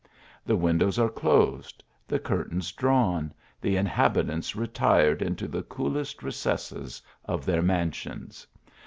The windows are closed ; the curtains drawn ; the inhabitants retired into the coolest recesses of their mansions.